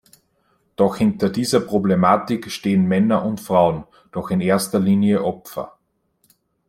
Doch hinter dieser Problematik stehen Männer und Frauen, doch in erster Linie Opfer.